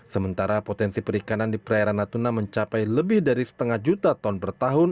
sementara potensi perikanan di perairan natuna mencapai lebih dari setengah juta ton per tahun